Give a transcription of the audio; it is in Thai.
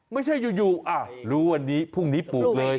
ไม่ใช่อยู่รู้วันนี้พรุ่งนี้ปลูกเลย